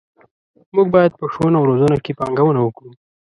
موږ باید په ښوونه او روزنه کې پانګونه وکړو.